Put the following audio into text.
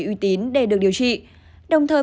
uy tín để được điều trị đồng thời